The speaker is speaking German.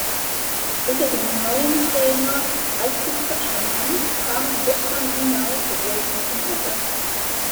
Unter dem neuen Trainer Aykut Kocaman kam Gökhan Ünal selten zum Einsatz.